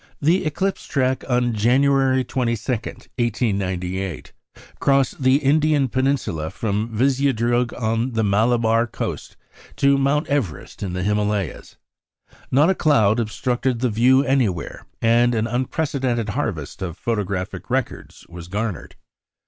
The eclipse track on January 22, 1898, crossed the Indian peninsula from Viziadrug, on the Malabar coast, to Mount Everest in the Himalayas. Not a cloud obstructed the view anywhere, and an unprecedented harvest of photographic records was garnered.